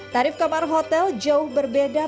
tarif kamar hotel jauh berbeda